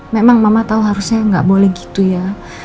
memang mama tahu harusnya nggak boleh gitu ya